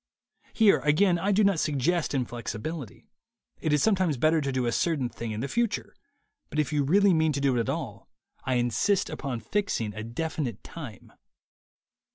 Here again I do not suggest inflexibility. It is sometimes better to do a certain thing in the future ; but if you really mean to do it at all, I insist upon fixing a definite time.